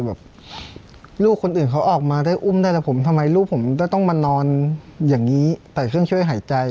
แบบลูกคนอื่นเขาออกมาได้อุ้มได้แต่ผมทำไมลูกผมต้องมานอนอย่างนี้ใส่เครื่องช่วยหายใจ